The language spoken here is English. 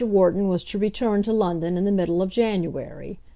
Wharton was to return to London in the middle of January.